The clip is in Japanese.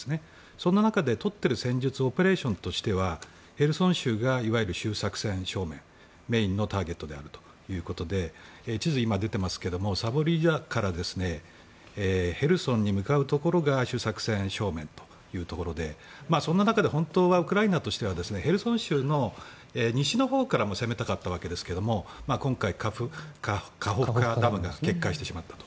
そんな中で、取っている戦術オペレーションとしてはヘルソン州がメインのターゲットであるということで地図が出ていますがザポリージャからヘルソンに向かうところが主作戦正面ということでそんな中で本当はウクライナとしてはヘルソン州の西のほうから攻めたかったわけですが今回カホフカダムが決壊してしまったと。